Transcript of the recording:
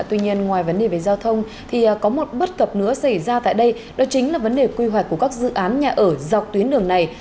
tuy nhiên ngoài vấn đề về giao thông thì có một bất cập nữa xảy ra tại đây đó chính là vấn đề quy hoạch của các dự án nhà ở dọc tuyến đường này